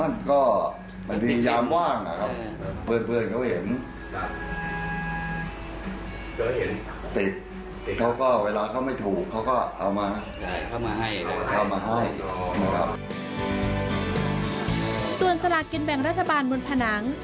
ส่วนสลากกินแบ่งรัฐบาลบนผนัง